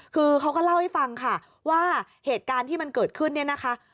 คือเขาก็เล่าให้ฟังค่ะว่าเหตุการณ์ที่มันเกิดขึ้นเนี่ยนะคะ